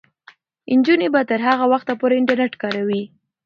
نجونې به تر هغه وخته پورې انټرنیټ کاروي.